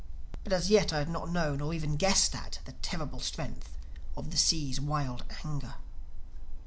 But as yet I had not known, or even guessed at, the terrible strength of the Sea's wild anger.